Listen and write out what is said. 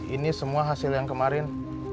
ini semua hasil yang kemarin